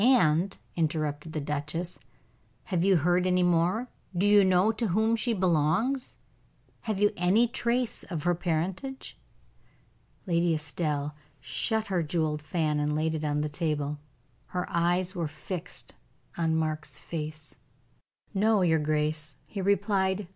"And," interrupted the duchess, "have you heard any more? Do you know to whom she belongs? Have you any trace of her parentage?" Lady Estelle shut her jeweled fan, and laid it on the table. Her eyes were fixed on Mark's face. "No, your grace," he replied.